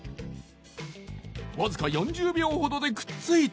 僅か４０秒ほどでくっついた。